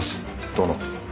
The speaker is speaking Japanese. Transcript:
殿。